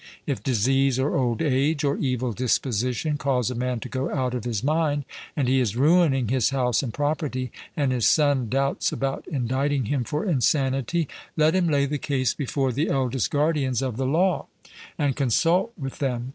If disease, or old age, or evil disposition cause a man to go out of his mind, and he is ruining his house and property, and his son doubts about indicting him for insanity, let him lay the case before the eldest guardians of the law, and consult with them.